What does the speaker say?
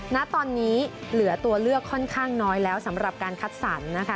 ณตอนนี้เหลือตัวเลือกค่อนข้างน้อยแล้วสำหรับการคัดสรรนะคะ